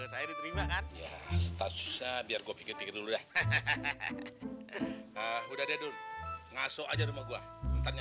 sampai jumpa di video selanjutnya